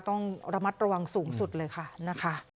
ต้องระมัดระวังสูงสุดเลยค่ะนะคะ